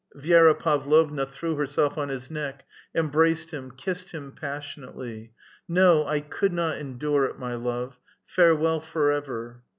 Vi^ra Pavlov na threw herself on his neck, embraced him, kissed him passionately. " No, I could not endure it, my love ! Farewell forever